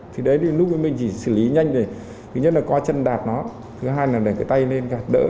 thì đấy thì nút bí mình chỉ xử lý nhanh để thứ nhất là coi chân đạt nó thứ hai là để cái tay lên đỡ